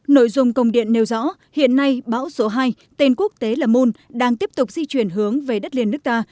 nội dung công điện nêu rõ hiện nay bão số hai tên quốc tế là moon đang tiếp tục di chuyển hướng về đất liền nước ta